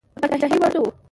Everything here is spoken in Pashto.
د پاچهي وړ نه وو.